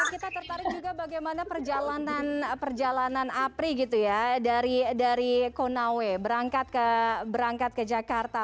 kita tertarik juga bagaimana perjalanan apri gitu ya dari konawe berangkat ke jakarta